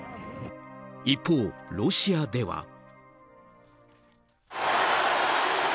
一方、ロシアでは。